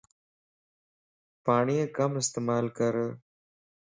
پاڙين ڪم استعمال ڪر